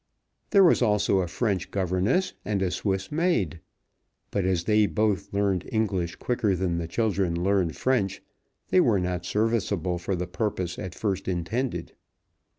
There was also a French governess and a Swiss maid. But as they both learned English quicker than the children learned French, they were not serviceable for the purpose at first intended.